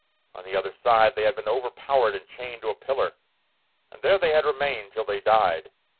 On the other side they had been overpowered and chained to a pillar, and there they had remained till they died.